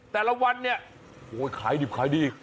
แต่ละวันเนี่ยโอ้ยขายดีอีก